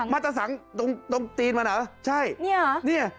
มัดตะสังตรงตีนมันเหรอใช่นี่